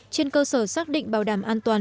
trên cơ sở xác định bảo đảm an toàn